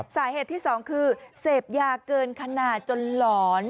สาเหตุที่สองคือเสพยาเกินขนาดจนหลอน